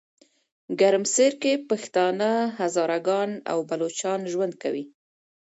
ګرمسیرکې پښتانه، هزاره ګان او بلوچان ژوند کوي.